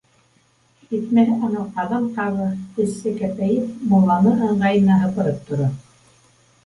Етмәһә, анау Ҡаҙанҡабы, эссе кәпәйеп, мулланы ыңғайына һыпырып тора.